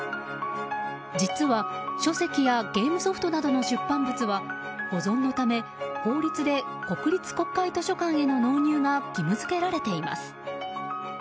実は、書籍やゲームソフトなどの出版物は保存のため、法律で国立国会図書館への納入が義務付けられています。